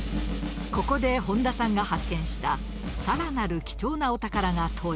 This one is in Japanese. ここで誉田さんが発見した更なる貴重なお宝が登場。